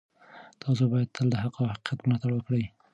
تاسو باید تل د حق او حقیقت ملاتړ وکړئ.